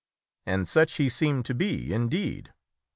And such he seemed to be indeed.